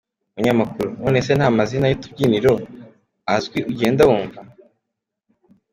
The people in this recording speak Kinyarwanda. Umunyamakuru: None se nta n'amazina y'utubyiniro azwi ugenda wumva?.